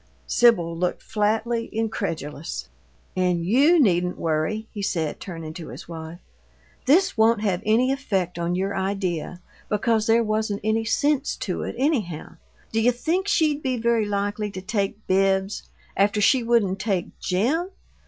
Sibyl looked flatly incredulous. "And YOU needn't worry," he said, turning to his wife. "This won't have any effect on your idea, because there wasn't any sense to it, anyhow. D'you think she'd be very likely to take Bibbs after she wouldn't take JIM?